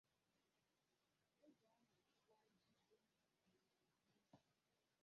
oge ọ na-awa ji kpọmkwem na mmemme ahụ